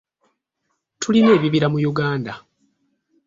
Tulina ebibira mu Uganda.